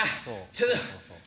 ちょっと。